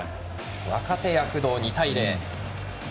若手躍動、２対０。